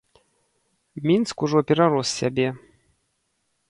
Мінск ужо перарос сябе.